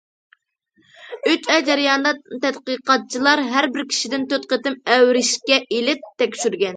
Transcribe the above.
ئۈچ ئاي جەريانىدا تەتقىقاتچىلار ھەر بىر كىشىدىن تۆت قېتىم ئەۋرىشكە ئېلىپ تەكشۈرگەن.